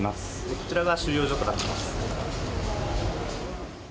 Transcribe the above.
こちらが収容所となっています。